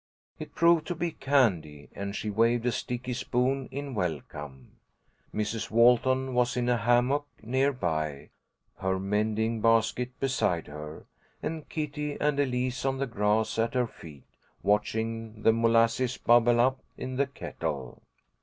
It proved to be candy, and she waved a sticky spoon in welcome. Mrs. Walton was in a hammock, near by, her mending basket beside her, and Kitty and Elise on the grass at her feet, watching the molasses bubble up in the kettle.